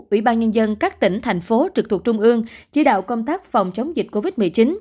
ủy ban nhân dân các tỉnh thành phố trực thuộc trung ương chỉ đạo công tác phòng chống dịch covid một mươi chín